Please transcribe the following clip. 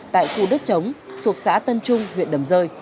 tại khu đất chống thuộc xã tân trung huyện đầm rơi